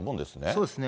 そうですね。